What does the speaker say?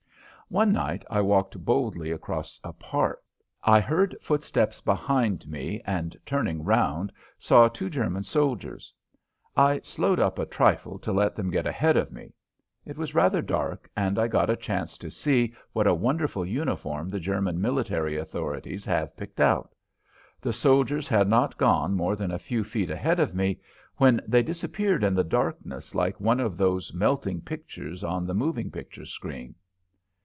One night I walked boldly across a park. I heard footsteps behind me and, turning around, saw two German soldiers. I slowed up a trifle to let them get ahead of me. It was rather dark and I got a chance to see what a wonderful uniform the German military authorities have picked out. The soldiers had not gone more than a few feet ahead of me when they disappeared in the darkness like one of those melting pictures on the moving picture screen.